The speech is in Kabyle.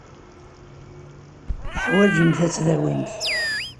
Teḥwajemt ad tdawimt.